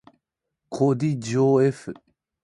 こ ｄ じょ ｆ